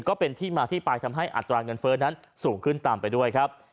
ก็เป็นที่มาที่ไปทำให้อัตราเงินเฟ้อนั้นสูงขึ้นตามไปด้วยครับ